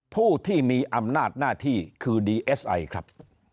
ผู้ที่มีอำนาจหน้าที่คือดีเอสไอครับ